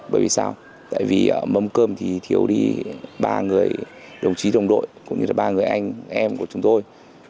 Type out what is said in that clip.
bởi vì sao tại vì ở mâm cơm thì thiếu đi ba người đồng chí đồng đội cũng như là ba người anh em của chúng tôi